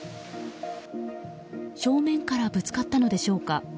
正面からぶつかったのでしょうか。